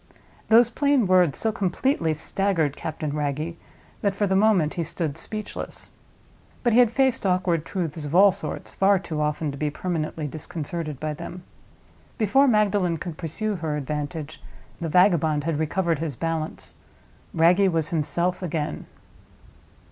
Those plain words so completely staggered Captain Wragge that for the moment he stood speechless. But he had faced awkward truths of all sorts far too often to be permanently disconcerted by them. Before Magdalen could pursue her advantage, the vagabond had recovered his balance: Wragge was himself again.